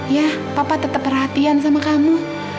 ya papa tetap perhatian sama kamu